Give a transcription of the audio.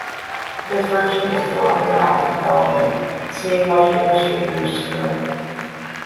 This version is still under active development, seeing much industry use currently.